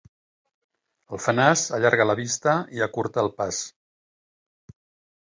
El fenàs allarga la vista i acurta el pas.